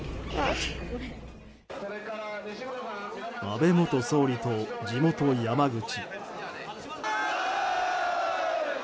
安倍元総理と地元・山口。